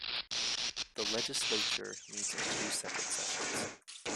The Legislature meets in two separate sessions.